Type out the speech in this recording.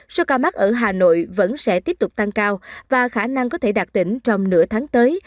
số ca mắc ở hà nội vẫn sẽ tiếp tục tăng cao và khả năng có thể đạt đỉnh trong nửa tháng tới